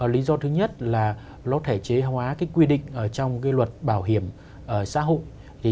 lý do thứ nhất là nó thể chế hóa quy định trong luật bảo hiểm xã hội